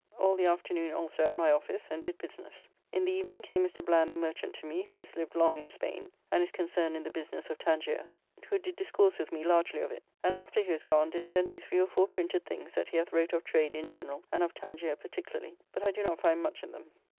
All the afternoon also at my office, and did business. In the evening came Mr. Bland the merchant to me, who has lived long in Spain, and is concerned in the business of Tangier, who did discourse with me largely of it, and after he was gone did send me three or four printed things that he hath wrote of trade in general and of Tangier particularly, but I do not find much in them.